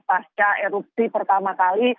pasca erupsi pertama kali